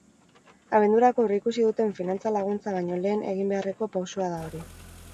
Abendurako aurreikusi duten finantza laguntza baino lehen egin beharreko pausoa da hori.